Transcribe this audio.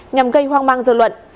nhằm gây hoang mang dư luận